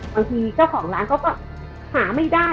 บางทีเจ้าของร้านเค้าก็หาไม่ได้